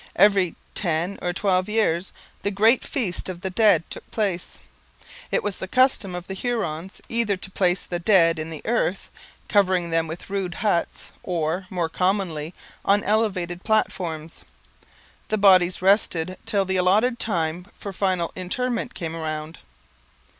Every ten or twelve years the great Feast of the Dead took place. It was the custom of the Hurons either to place the dead in the earth, covering them with rude huts, or, more commonly, on elevated platforms. The bodies rested till the allotted time for final interment came round.